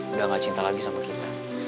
udah gak cinta lagi sama kita